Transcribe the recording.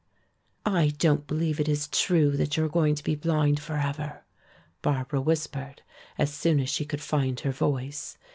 "I don't believe it is true that you are going to be blind forever," Barbara whispered, as soon as she could find her voice.